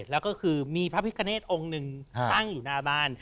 แล้วก็คือมีพระพิคเนธองค์หนึ่งตั้งอยู่หน้าบ้าน